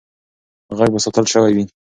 غږ به ساتل سوی وي.